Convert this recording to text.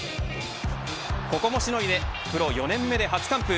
ここもしのいでプロ４年目で初完封。